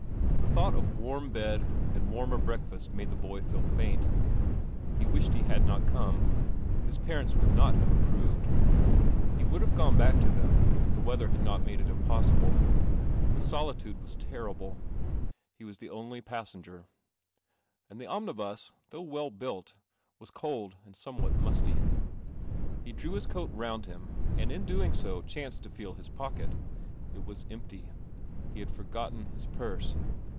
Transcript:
The thought of warm bed and warmer breakfast made the boy feel faint. He wished he had not come. His parents would not have ap proved. He would have gone back to them if the weather had not made it impossible. The 62 III! CEL1 HAL OMNIBl solitude ■ rrihk ; he was the <>nl\ passen hc omnibus, th< ugh well built, was cold and somewhat musty. He drew hi round him, and in ng chanced to feel Ins pocket. It was empty. He had forgotten In purse.